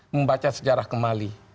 membaca sejarah kembali